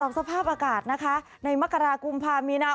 ตรวจสอบสภาพอากาศนะคะในมกรากุมภาวมีนา